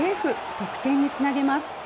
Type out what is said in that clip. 得点につなげます。